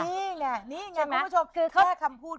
เงี่ร่ะนี่ไงครับคุณผู้ชม